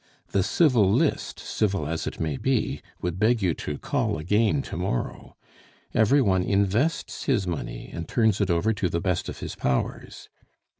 The civil list, civil as it may be, would beg you to call again tomorrow. Every one invests his money, and turns it over to the best of his powers.